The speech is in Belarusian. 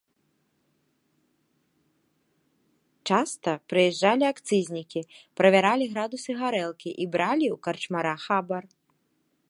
Часта прыязджалі акцызнікі, правяралі градусы гарэлкі і бралі ў карчмара хабар.